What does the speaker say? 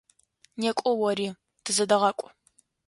Некӏо ори, тызэдэгъакӏу!